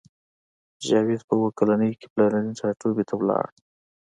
جاوید په اوه کلنۍ کې پلرني ټاټوبي ته لاړ